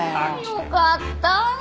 よかった！